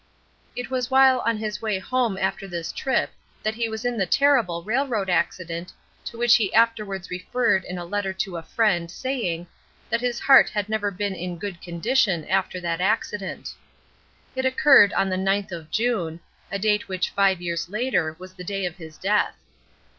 It was while on his way home after this trip that he was in the terrible railroad accident to which he afterwards referred in a letter to a friend, saying, that his heart had never been in good condition after that accident. It occurred on the ninth of June, a date which five years later was the day of his death.